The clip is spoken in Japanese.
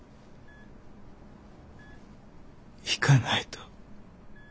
行かないと。